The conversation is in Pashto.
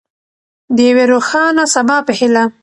د یوې روښانه سبا په هیله.